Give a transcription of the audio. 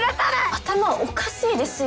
頭おかしいですよ。